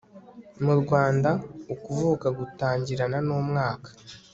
mu rwanda, ukuvuka gutangirana n'umwaka